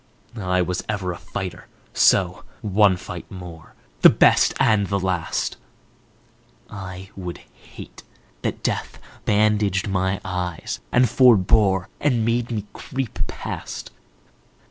I was ever a fighter, so—one fight more, The best and the last!I would hate that death bandaged my eyes, and forbore, And bade me creep past.